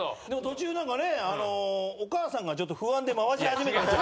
でも途中なんかねあのお母さんがちょっと不安で回し始めた。